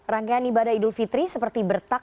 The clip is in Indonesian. rangkaian ibadah idul fitri seperti bertak